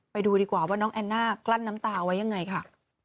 ไปดูดีกว่าว่าน้องแอนน่ากลั้นน้ำตาไว้ยังไงค่ะ